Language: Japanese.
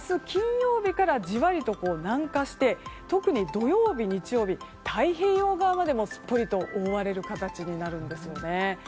金曜日から、じわりと南下して特に土曜日、日曜日太平洋側まですっぽりと覆われる形になるんですね。